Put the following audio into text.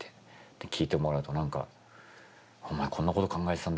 で聴いてもらうと何か「お前こんなこと考えてたんだね」みたいな。